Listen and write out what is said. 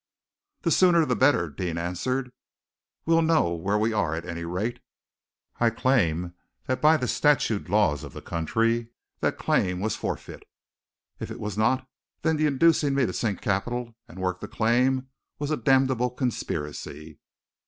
"The sooner the better," Deane answered. "We'll know where we are, at any rate. I claim that by the statute laws of the country that claim was forfeit. If it was not, then the inducing me to sink capital and work the claim was a damnable conspiracy."